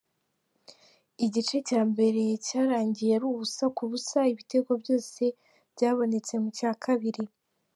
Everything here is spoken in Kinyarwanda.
Igice cya mbere cyarangiye ari ubusa ku busa, ibitego byose byabonetse mu cya kabiri.